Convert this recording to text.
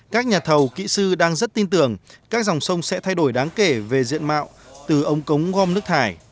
các nhà thầu kỹ sư đang rất tin tưởng các dòng sông sẽ thay đổi đáng kể về diện mạo từ ống cống gom nước thải